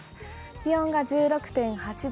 気温が１６．８度。